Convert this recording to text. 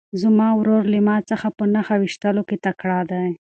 زما ورور له ما څخه په نښه ویشتلو کې تکړه دی.